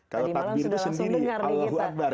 tadi malam sudah langsung dengar nih kita